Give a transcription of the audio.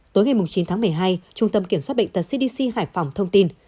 tối ngày chín tháng một mươi hai trung tâm kiểm soát bệnh tật cdc hải phòng thông tin